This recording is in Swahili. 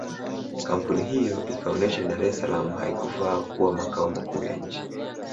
Kampuni hiyo ikaonesha Dar es salaam haikufaa kuwa makao makuu ya nchi